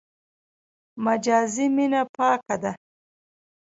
مجازي مینه پاکه ده.